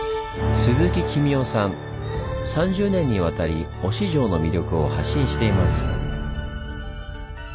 ３０年にわたり忍城の魅力を発信しています。